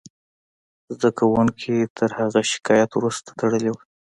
زده کوونکو تر هغه شکایت وروسته تړلې وه